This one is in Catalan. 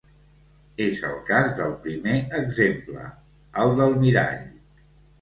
És el cas del primer exemple, el del mirall.